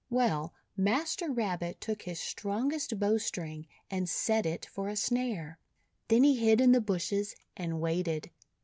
Well, Master Rabbit took his strongest bow string, and set it for a snare. Then he hid in the bushes and waited.